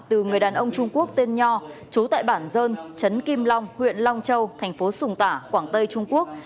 từ người đàn ông trung quốc tên nho chú tại bản dơn trấn kim long huyện long châu thành phố sùng tả quảng tây trung quốc